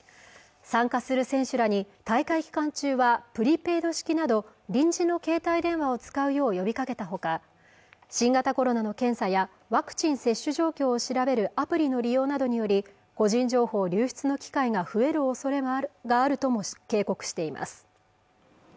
参加する選手らに大会期間中はプリペイド式など臨時の携帯電話を使うよう呼びかけたほか新型コロナの検査やワクチン接種状況を調べるアプリの利用などにより個人情報流出の機会が増えるおそれがあると警告しています